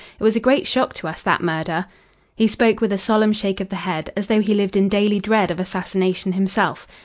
It was a great shock to us, that murder." He spoke with a solemn shake of the head, as though he lived in daily dread of assassination himself.